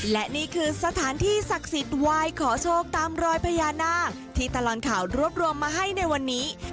และนี่คือสถานที่ศักดิ์สิทธิ์วายขอโชคตามรอยพญานาคที่ตลอดข่าวรวบรวมมาให้ในวันนี้